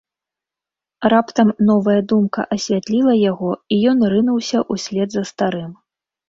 Раптам новая думка асвятліла яго, і ён рынуўся ўслед за старым.